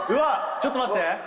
ちょっと待って！